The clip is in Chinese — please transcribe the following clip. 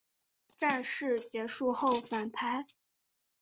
战事结束后返台。